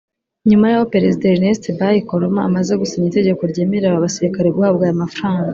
nyuma y’aho Perezida Ernest Bai Koroma amaze gusinya itegeko ryemerera aba basirikare guhabwa aya mafaranga